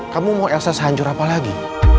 kamu mau elsa sehancur apa lagi